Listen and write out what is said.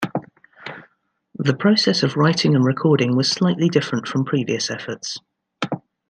The process of writing and recording was slightly different from previous efforts.